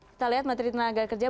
kita lihat menteri tenaga kerja